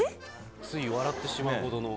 つい笑ってしまうほどの。